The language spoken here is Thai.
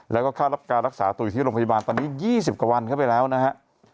แล้วก็ค่ารับการรักษาตัวอยู่ที่โรงพยาบาลตอนนี้๒๐กว่าวันเข้าไปแล้วนะฮะ